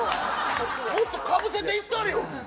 もっとかぶせていったれよ！